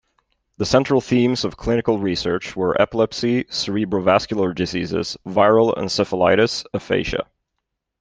The central themes of clinical research were epilepsy, cerebro-vascular diseases, viral encephalitis, aphasia.